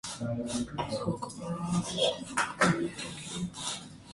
The module features interior art by Thomas Baxa, Mark Nelson and David Simons.